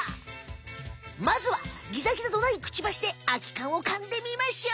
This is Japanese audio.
まずはギザギザのないクチバシであきかんをかんでみましょう！